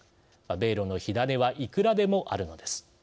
米ロの火種はいくらでもあるのです。